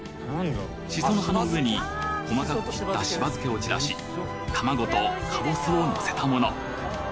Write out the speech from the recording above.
「シソの葉の上に細かく切ったしば漬けを散らし卵とカボスをのせたもの」